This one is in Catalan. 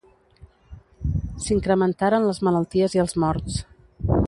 S'incrementaren les malalties i els morts.